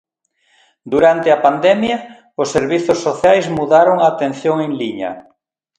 Durante a pandemia, os servizos sociais mudaron a atención en liña.